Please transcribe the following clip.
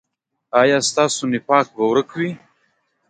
ایا ستاسو نفاق به ورک وي؟